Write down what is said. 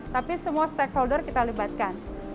tapi semua stakeholder kita libatkan